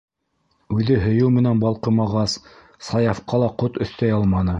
Үҙе һөйөү менән балҡымағас, Саяфҡа ла ҡот өҫтәй алманы.